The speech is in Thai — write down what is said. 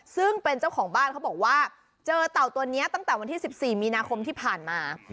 ซึ่งเป็นเจ้าของบ้านเขาบอกว่าเจอเต่าตัวนี้ตั้งแต่วันที่๑๔มีนาคมที่ผ่านมา